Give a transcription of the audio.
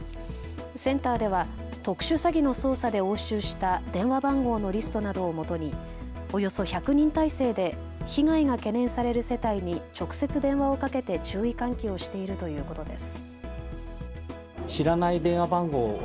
センターでは特殊詐欺の捜査で押収した電話番号のリストなどをもとにおよそ１００人体制で被害が懸念される世帯に直接電話をかけて注意喚起をしているということです。